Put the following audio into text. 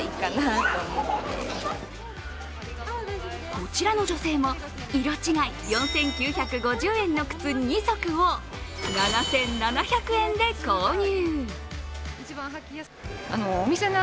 こちらの女性も色違い４９５０円の靴２足を７７００円で購入。